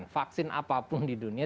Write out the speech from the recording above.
vaksin apapun di dunia